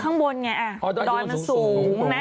ข้างบนไงดอยมันสูงนะ